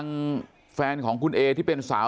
แล้วทีนี้พอคุยมา